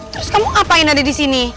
terus kamu ngapain ada di sini